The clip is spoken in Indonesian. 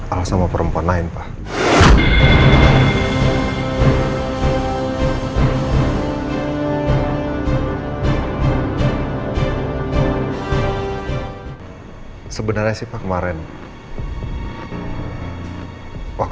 al sama perempuan lain pak